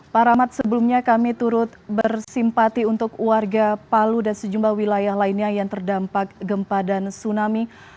pak rahmat sebelumnya kami turut bersimpati untuk warga palu dan sejumlah wilayah lainnya yang terdampak gempa dan tsunami